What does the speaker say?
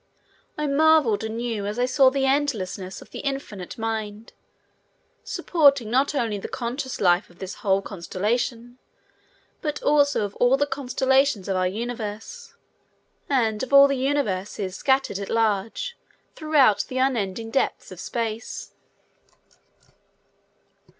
I marveled anew as I saw the endlessness of the Infinite Mind, supporting not only the conscious life of this whole constellation, but also of all the constellations of our universe, and of all the universes scattered at large throughout the unending depths of space.